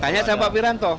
tanya sama pak wiranto